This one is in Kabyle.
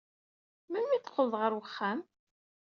Melmi ay d-teqqleḍ ɣer wexxam?